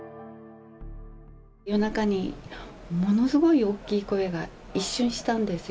夜中にものすごい大きい声が一瞬したんですよ。